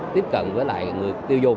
tiếp cận với người tiêu dùng